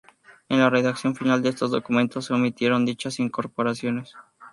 En la redacción final de estos documentos se omitieron dichas incorporaciones.